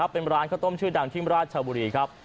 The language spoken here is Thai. เป็นร้านข้าวต้มชื่อดังที่ราชบุรีครับ